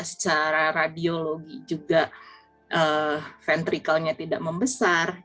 secara radiologi juga ventrikalnya tidak membesar